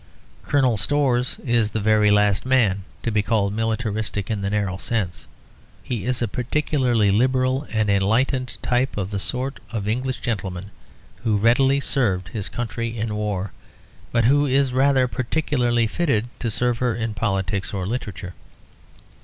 Colonel Storrs is the very last man to be called militaristic in the narrow sense; he is a particularly liberal and enlightened type of the sort of English gentleman who readily served his country in war, but who is rather particularly fitted to serve her in politics or literature.